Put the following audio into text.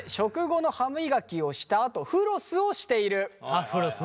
あっフロスね。